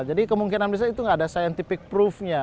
jadi kemungkinan bisa itu gak ada scientific proofnya